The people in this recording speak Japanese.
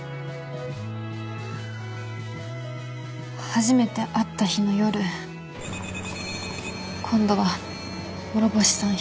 初めて会った日の夜今度は諸星さん